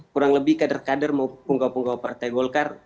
kurang lebih kader kader maupun penggawa penggawa partai golkar